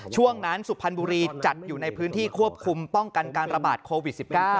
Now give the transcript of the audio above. ช่วงนั้นสุพรรณบุรีจัดอยู่ในพื้นที่ควบคุมป้องกันการระบาดโควิด๑๙